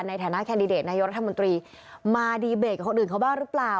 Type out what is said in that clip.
แคนดิเดตนายกรัฐมนตรีมาดีเบตกับคนอื่นเขาบ้างหรือเปล่า